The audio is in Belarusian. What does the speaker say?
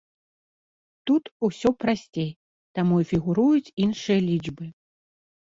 Тут усё прасцей, таму і фігуруюць іншыя лічбы.